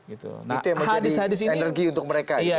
itu yang menjadi energi untuk mereka